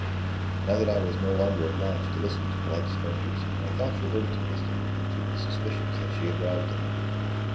Now that I was no longer obliged to listen to polite strangers, my thoughts reverted to Cristel, and to the suspicions that she had roused in me.